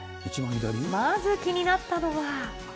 まず気になったのは。